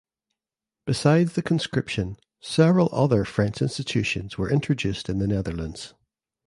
Besides the conscription several other French institutions were introduced in the Netherlands.